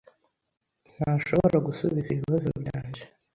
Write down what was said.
ntashobora gusubiza ibibazo byanjye.